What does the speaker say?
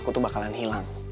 aku tuh bakalan hilang